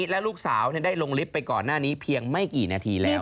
และลูกสาวได้ลงลิฟต์ไปก่อนหน้านี้เพียงไม่กี่นาทีแล้ว